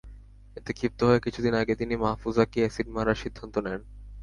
এতে ক্ষিপ্ত হয়ে কিছুদিন আগে তিনি মাহফুজাকে অ্যাসিড মারার সিদ্ধান্ত নেন।